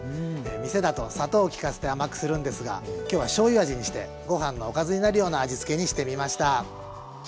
店だと砂糖を利かせて甘くするんですが今日はしょうゆ味にしてご飯のおかずになるような味つけにしてみました。